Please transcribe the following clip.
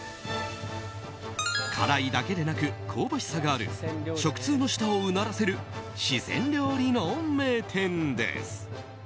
辛いだけでなく香ばしさがある食通の舌をうならせる四川料理の名店です。